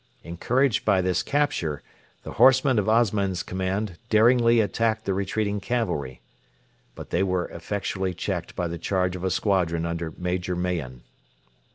Encouraged by this capture, the horsemen of Osman's command daringly attacked the retreating cavalry. But they were effectually checked by the charge of a squadron under Major Mahon.